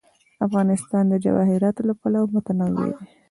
افغانستان د جواهرات له پلوه متنوع دی.